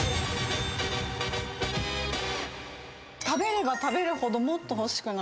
食べれば食べるほど欲しくなる。